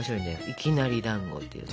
「いきなりだんご」っていうね。